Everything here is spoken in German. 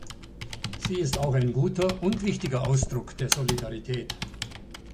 Sie ist auch ein guter und wichtiger Ausdruck der Solidarität.